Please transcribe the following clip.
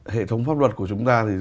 hệ thống pháp luật của chúng ta thì